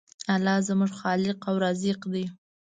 الله زموږ خالق او رازق دی.